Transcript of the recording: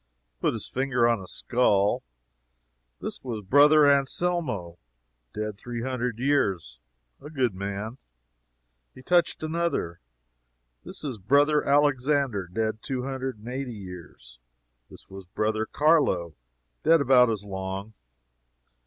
He put his finger on a skull. "This was Brother Anselmo dead three hundred years a good man." He touched another. "This was Brother Alexander dead two hundred and eighty years. This was Brother Carlo dead about as long."